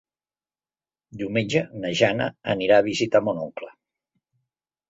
Diumenge na Jana anirà a visitar mon oncle.